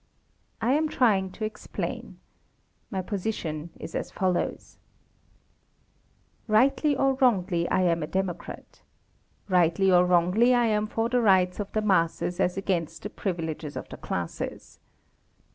I am trying to explain. My position is as follows: Rightly or wrongly, I am a Democrat. Rightly or wrongly, I am for the rights of the masses as against the privileges of the classes.